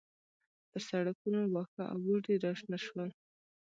پر سړکونو واښه او بوټي راشنه شول